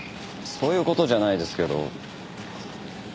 そういう事じゃないですけど。